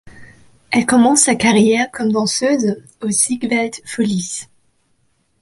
Elle commence sa carrière comme danseuse aux Ziegfeld Follies.